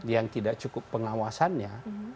yang tidak cukup pengawasannya